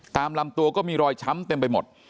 ตามลำตัวก็มีรอยช้ำเต็มไปหมด